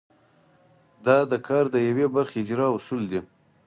دا د کار د یوې برخې اجرا اصول دي.